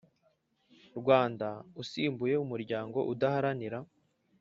Rwanda usimbuye umuryango udaharanira